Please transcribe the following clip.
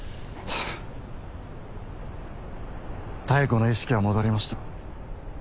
妙子の意識は戻りました。